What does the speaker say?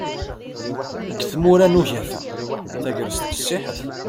Deg tmura n ugafa, tagrest qessiḥet.